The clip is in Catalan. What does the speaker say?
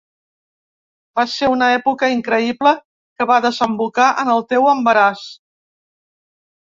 Va ser una època increïble que va desembocar en el teu embaràs.